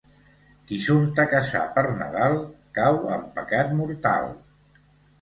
Qui surt a caçar per Nadal cau en pecat mortal.